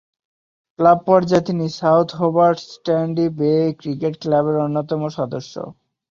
Club পর্যায়ে তিনি South Hobart Sandy Bay cricket ক্লাবের অন্যতম সদস্য।